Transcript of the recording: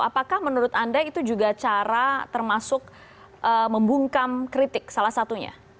apakah menurut anda itu juga cara termasuk membungkam kritik salah satunya